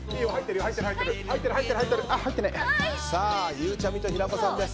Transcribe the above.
ゆうちゃみと平子さんです。